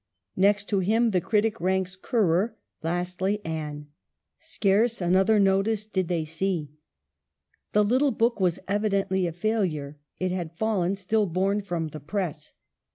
Next to him the critic ranks Currer, lastly Anne. Scarce another notice did they see. The little book was evidently a failure ; it had fallen still born from the press.